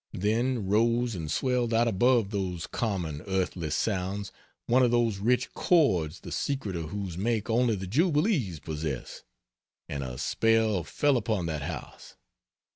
Then rose and swelled out above those common earthly sounds one of those rich chords the secret of whose make only the Jubilees possess, and a spell fell upon that house.